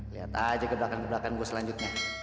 liat aja gebrakan gebrakan gue selanjutnya